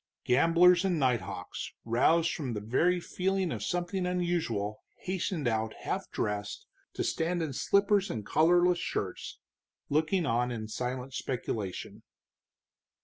Gamblers and nighthawks, roused by the very feeling of something unusual, hastened out half dressed, to stand in slippers and collarless shirts, looking on in silent speculation.